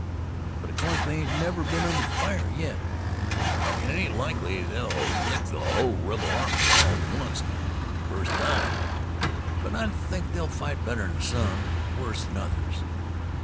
Of course they ain't never been under fire yet, and it ain't likely they'll lick the hull rebel army all to oncet the first time; but I think they'll fight better than some, if worse than others.